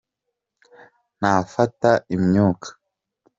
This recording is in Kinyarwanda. nkafata imyuka.